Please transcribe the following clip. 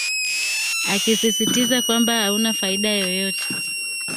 akisistiza kwamba hauna faida yoyote